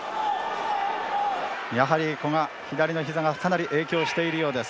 やはり古賀、左のひざがかなり影響しているようです。